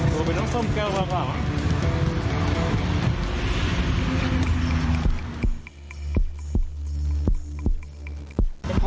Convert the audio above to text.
กลัวเป็นน้องส้มเข้าหรือครับ